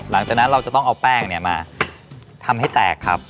หลังจากนั้นเราจะต้องเอาแป้งมาทำให้แตกครับ